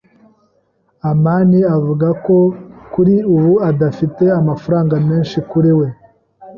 amani avuga ko kuri ubu adafite amafaranga menshi kuri we.